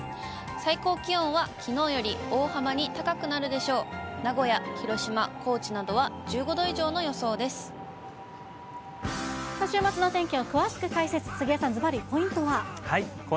最高気温はきのうより大幅に高くなるでしょう。